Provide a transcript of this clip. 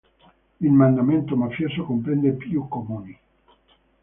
Il mandamento mafioso comprende più comuni.